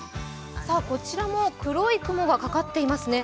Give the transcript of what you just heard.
こちらも黒い雲がかかっていますね。